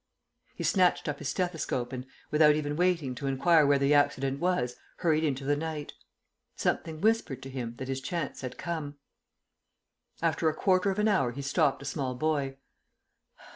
He snatched up his stethoscope and, without even waiting to inquire where the accident was, hurried into the night. Something whispered to him that his chance had come. After a quarter of an hour he stopped a small boy.